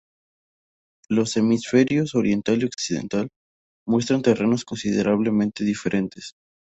Los hemisferios oriental y occidental muestran terrenos considerablemente diferentes.